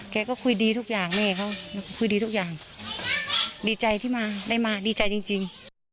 แกก็คุยดีทุกอย่างแม่เขาคุยดีทุกอย่างดีใจที่มาได้มาดีใจจริง